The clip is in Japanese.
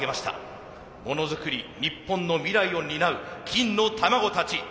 ものづくり日本の未来を担う金の卵たちＮ岡高専。